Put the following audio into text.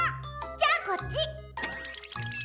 じゃあこっち！